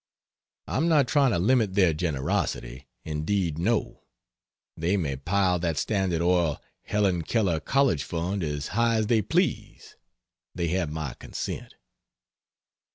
I'm not trying to limit their generosity indeed no, they may pile that Standard Oil, Helen Keller College Fund as high as they please, they have my consent.